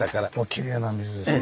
きれいな水ですね。